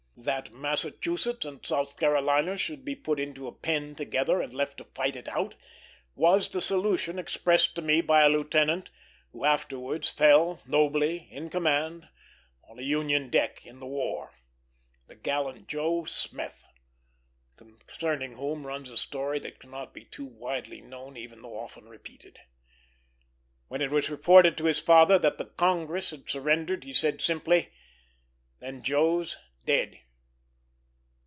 That Massachusetts and South Carolina should be put into a pen together, and left to fight it out, was the solution expressed to me by a lieutenant who afterwards fell nobly, in command, on a Union deck in the war; the gallant Joe Smith, concerning whom runs a story that cannot be too widely known, even though often repeated. When it was reported to his father that the Congress had surrendered, he said, simply, "Then Joe's dead."